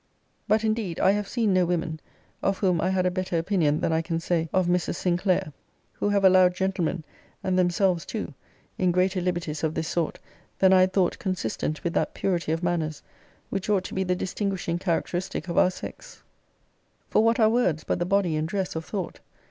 But, indeed, I have seen no women, of whom I had a better opinion than I can say of Mrs. Sinclair, who have allowed gentlemen, and themselves too, in greater liberties of this sort than I had thought consistent with that purity of manners which ought to be the distinguishing characteristic of our sex: For what are words, but the body and dress of thought?